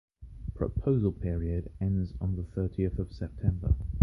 Proposal period ends on the thirtieth of September.